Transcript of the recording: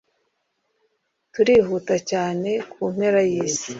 Turihuta cyane kumpera yisi